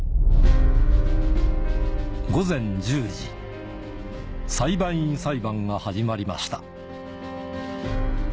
午前１０時裁判員裁判が始まりました